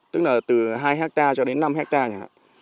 tức là từ hai hectare cho đến năm hectare